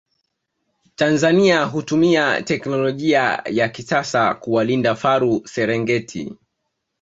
Tanzania hutumia teknolojia ya kisasa kuwalinda faru Serengeti